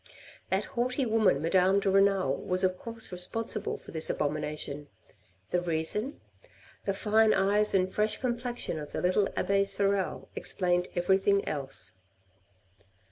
That haughty woman, Madame de Renal, was of course responsible for this abomination. The reason ? The fine eyes and fresh complexion of the little abbe Sorel explained everything else.